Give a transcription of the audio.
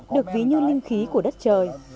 được ví như linh khí của đất trời